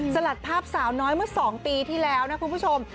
สลัดภาพสาวน้อยเมื่อ๒ปีที่แล้วนะคุณผู้ชม